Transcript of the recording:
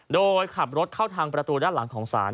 โดยขับรถเข้าทางประตูด้านหลังของศาล